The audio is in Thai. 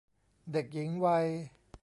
เด็กหญิงวัย